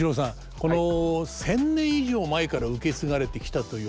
この１，０００年以上前から受け継がれてきたといわれている